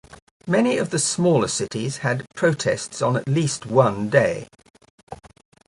Many of the smaller cities had protests on at least one day.